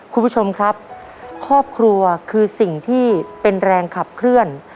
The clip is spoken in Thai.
คุณผู้ชมครับครอบครัวคือสิ่งที่เป็นแรงขับเคลื่อน